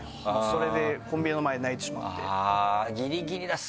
それでコンビニの前で泣いてしまって。